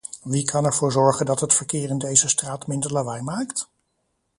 Wie kan ervoor zorgen dat het verkeer in deze straat minder lawaai maakt?